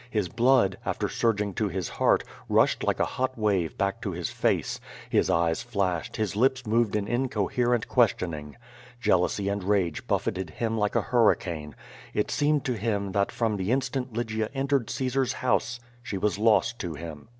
His blood, after surging to his heart, rushed like a hot w^ave back to his face; his eyes flashed; his lips moved in incoherent questioning. Jealousy and rage buffeted him like a hurri cane. It seemed to him that from the instant Lygia entered Caesar^s house she was lost to him.